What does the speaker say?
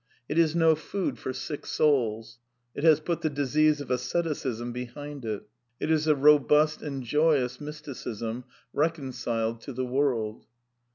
It is no food for sick souls; it has put the disease of asceticism behind it ; it is a robust and joyous Mysticism, reconciled to the world.